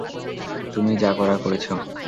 তুমিই যা করার করেছ!